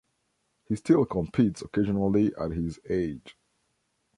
He still competes occasionally at his age.